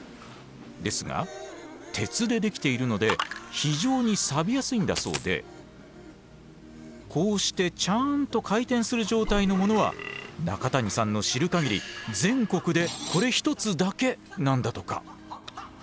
ですが鉄でできているので非常にさびやすいんだそうでこうしてちゃんと回転する状態のものは中谷さんの知る限り全国でこれ１つだけなんだとか。